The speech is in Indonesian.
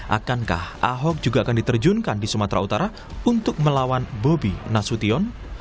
akankah ahok juga akan diterjunkan di sumatera utara untuk melawan bobi nasution